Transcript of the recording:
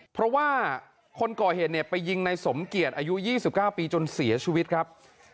เพราะว่าคนก่อเหตุเนี่ยไปยิงในสมเกียจอายุ๒๙ปีจนเสียชีวิตครับ